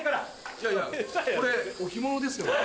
いやいやこれ置物ですよね。